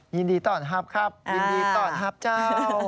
ยินดีต้อนฮับครับยินดีต้อนฮับเจ้า